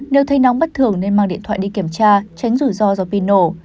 nếu thấy nóng bất thường nên mang điện thoại đi kiểm tra tránh rủi ro do pin nổ